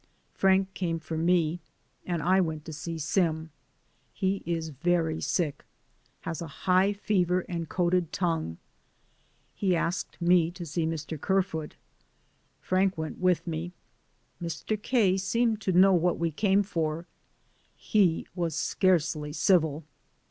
Frank came for me, and I went to see Sim ; he is very sick, has a high fever and coated tongue. He asked me to see Mr. Kerfoot. Frank went with me. Mr. K. seemed to know what we came for; he was scarcely civil.